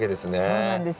そうなんですよ。